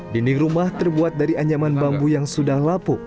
dinding rumah terbuat dari anyaman bambu yang sudah lapuk